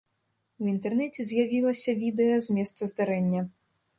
У інтэрнэце з'явілася відэа з месца здарэння.